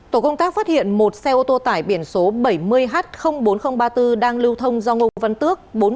tổ công tác phát hiện một xe ô tô tải biển số bảy mươi h bốn nghìn ba mươi bốn đang lưu thông do ngô văn tước